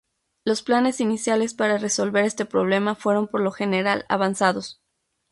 Los planes iniciales para resolver este problema fueron por lo general avanzados.